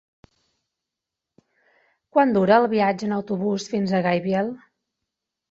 Quant dura el viatge en autobús fins a Gaibiel?